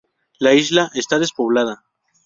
La isla está despoblada.